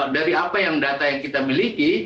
dari apa yang data yang kita miliki